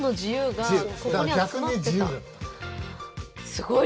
すごい。